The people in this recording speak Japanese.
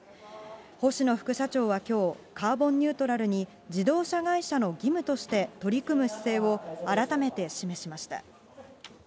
星野副社長はきょう、カーボンニュートラルに自動車会社の義務として取り組む姿勢を改めて示しました。